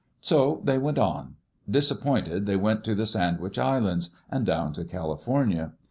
So they went on. Disappointed, they went to the Sand wich Islands and down to California.